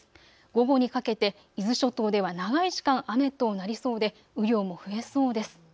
午後にかけて伊豆諸島では長い時間、雨となりそうで雨量も増えそうです。